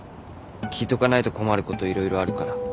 聞いとかないと困ることいろいろあるから。